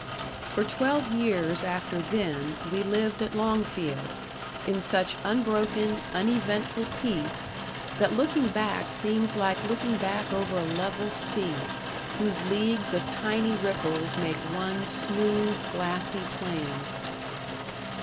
For twelve years after then, we lived at Longfield; in such unbroken, uneventful peace, that looking back seems like looking back over a level sea, whose leagues of tiny ripples make one smooth glassy plain.